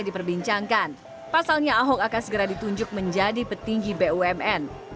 diperbincangkan pasalnya ahok akan segera ditunjuk menjadi petinggi bumn yang akan ditemukan pada desember ini